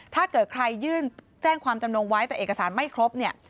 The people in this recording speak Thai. ถ้าเกิดใครยื่นแจ้งความจำนงไว้แต่เอกสารไม่ครบเนี่ย